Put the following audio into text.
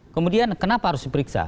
kemudian kenapa harus diperiksa